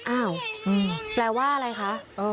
อ้าวแปลว่าอะไรคะ